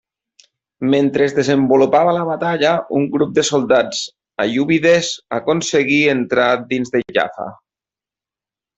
Mentre es desenvolupava la batalla, un grup de soldats aiúbides aconseguí entrar dins de Jaffa.